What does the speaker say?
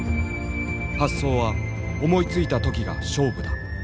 「発想は思いついた時が勝負だ」。